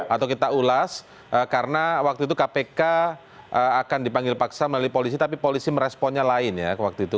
atau kita ulas karena waktu itu kpk akan dipanggil paksa melalui polisi tapi polisi meresponnya lain ya waktu itu